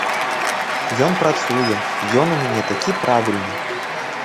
Ён працуе, ён у мяне такі правільны.